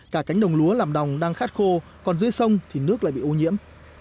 cả cánh đồng lúa làm đồng đang khát khô còn dưới sông thì nước lại bị ô nhiễm